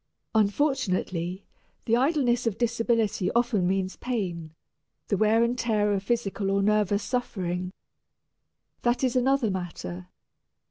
Unfortunately, the idleness of disability often means pain, the wear and tear of physical or nervous suffering. That is another matter.